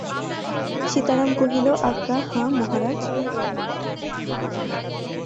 সীতারাম কহিল, আজ্ঞা, হাঁ মহারাজ।